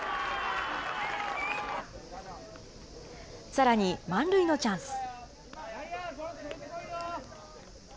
さらに満塁のチャンス。